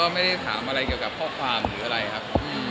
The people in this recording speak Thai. ไม่ได้ถามอะไรเกี่ยวกับข้อความหรืออะไรครับ